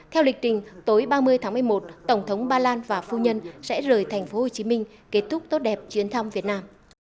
theo lịch trình tối ba mươi tháng một mươi một tổng thống ba lan và phu nhân sẽ rời tp hcm kết thúc tốt đẹp chuyến thăm việt nam